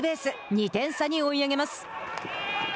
２点差に追い上げます。